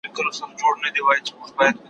زما او ستا تر منځ یو نوم د شراکت دئ